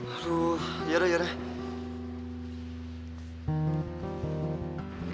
aduh ya udah ya udah